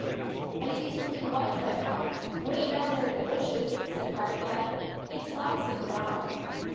" I see something white right now, way down there in the bushes," said Firefly. " It s bouncing around."